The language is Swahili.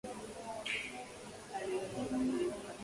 Ainuliwe juu sana.